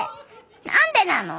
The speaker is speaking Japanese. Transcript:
何でなの？